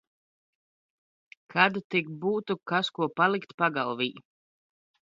Kad tik būtu kas ko palikt pagalvī.